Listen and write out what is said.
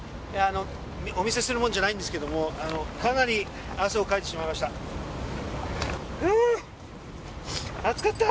お見せするものじゃないんですけどもかなり汗をかいてしまいました。